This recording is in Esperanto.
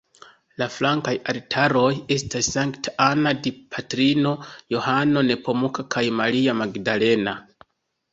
La flankaj altaroj estas Sankta Anna, Dipatrino, Johano Nepomuka kaj Maria Magdalena.